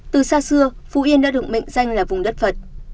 từ xa xưa phú yên đã được mệnh danh là vùng đất phật